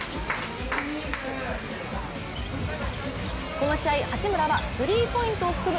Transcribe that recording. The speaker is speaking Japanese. この試合、八村はスリーポイントを含む